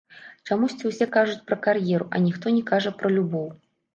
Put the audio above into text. Чамусьці ўсе кажуць пра кар'еру, а ніхто не кажа пра любоў.